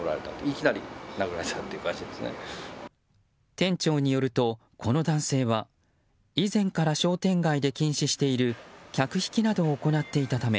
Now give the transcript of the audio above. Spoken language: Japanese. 店長によると、この男性は以前から商店街で禁止している客引きなどを行っていたため